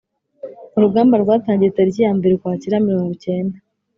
Urugamba rwatangiye Tariki ya mbere Ukwakira mirongo icyenda